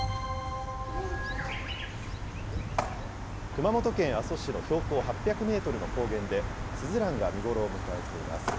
熊本県阿蘇市の標高８００メートルの高原で、スズランが見頃を迎えています。